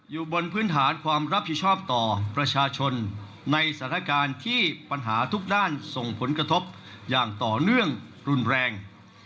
อยู่บนพื้นฐานความรับผิดชอบต่อประชาชนในสถานการณ์ที่ปัญหาทุกด้านส่งผลกระทบอย่างต่อเนื่องรุนแรง